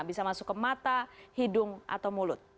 bisa masuk ke mata hidung atau mulut